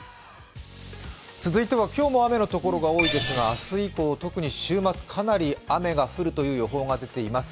続いては、今日も雨の所が多いですが、明日以降、特に週末、かなり雨が降るという予報が出ています。